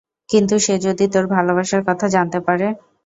কিন্তু সে যদি তোর ভালোবাসার কথা জানতে পারে?